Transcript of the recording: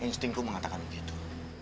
instingku mengatakan begitu